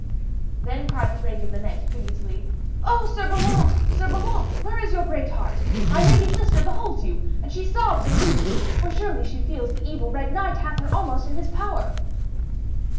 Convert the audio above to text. Then cried the Lady Linet piteously: 'O Sir Beaumains! Sir Beaumains! where is your great heart? My lady sister beholds you, and she sobs and weeps, for surely she feels the evil Red Knight hath her almost in his power!'